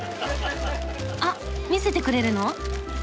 あっ見せてくれるの？